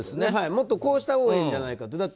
もっとこうしたほうがいいんじゃないかと。